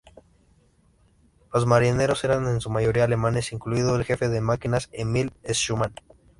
Los marineros eran en su mayoría alemanes incluido el jefe de máquinas Emil Schumann.